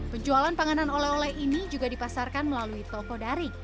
penjualan panganan oleh oleh ini juga dipasarkan melalui toko daring